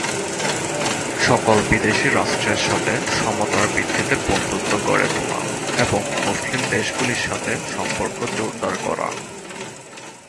সকল বিদেশী রাষ্ট্রের সাথে সমতার ভিত্তিতে বন্ধুত্ব গড়ে তোলা এবং মুসলিম দেশগুলির সাথে সম্পর্ক জোরদার করা।